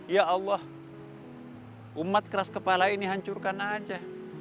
ya allah umat keras kepala ini hancurkan aja